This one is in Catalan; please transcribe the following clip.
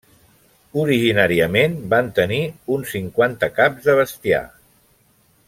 Originàriament van tenir uns cinquanta caps de bestiar.